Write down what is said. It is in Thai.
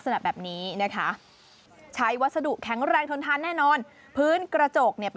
นี่ไง